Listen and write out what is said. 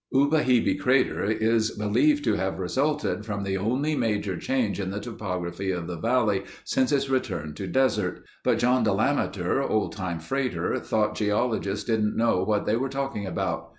Ubehebe Crater is believed to have resulted from the only major change in the topography of the valley since its return to desert, but John Delameter, old time freighter, thought geologists didn't know what they were talking about.